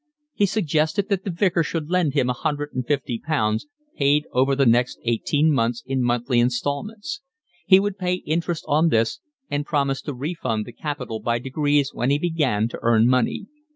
He suggested that the Vicar should lend him a hundred and fifty pounds paid over the next eighteen months in monthly instalments; he would pay interest on this and promised to refund the capital by degrees when he began to earn money.